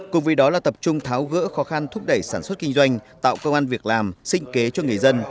cùng với đó là tập trung tháo gỡ khó khăn thúc đẩy sản xuất kinh doanh tạo công an việc làm sinh kế cho người dân